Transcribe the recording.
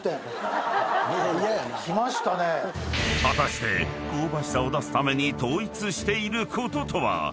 ［果たして香ばしさを出すために統一していることとは？］